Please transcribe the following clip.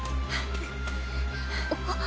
あっ。